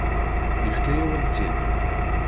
Yefka-yawen-tt-id.